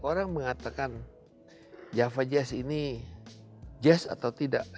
orang mengatakan java jazz ini jazz atau tidak